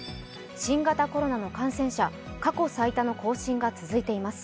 新型コロナの感染者、過去最多の更新が続いています。